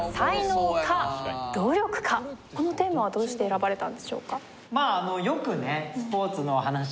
このテーマはどうして選ばれたんでしょうか？